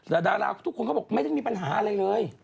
แต่ดาราทุกคนเขาบอกไม่ได้มีปัญหาอะไรเลย